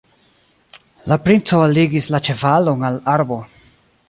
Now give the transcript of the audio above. La princo alligis la ĉevalon al arbo.